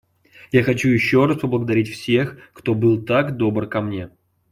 Я хочу еще раз поблагодарить всех, кто был так добр ко мне.